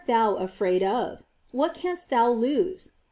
IX* thou afraid of ? What canst thou lose